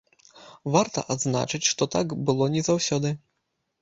Варта адзначыць, што так было не заўсёды.